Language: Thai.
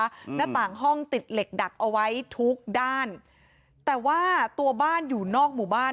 หน้าต่างห้องติดเหล็กดักเอาไว้ทุกด้านแต่ว่าตัวบ้านอยู่นอกหมู่บ้าน